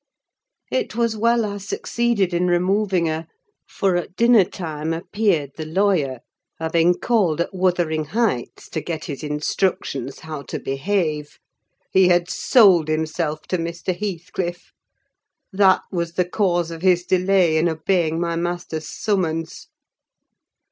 It was well I succeeded in removing her, for at dinner time appeared the lawyer, having called at Wuthering Heights to get his instructions how to behave. He had sold himself to Mr. Heathcliff: that was the cause of his delay in obeying my master's summons.